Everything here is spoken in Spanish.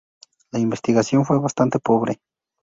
La investigación fue bastante pobre.